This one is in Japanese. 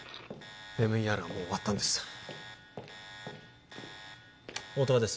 ＭＥＲはもう終わったんです音羽です